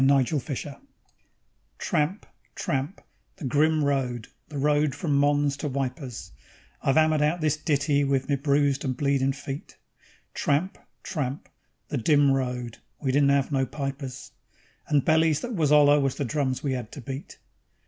The Red Retreat _Tramp, tramp, the grim road, the road from Mons to Wipers (I've 'ammered out this ditty with me bruised and bleedin' feet); Tramp, tramp, the dim road we didn't 'ave no pipers, And bellies that was 'oller was the drums we 'ad to beat.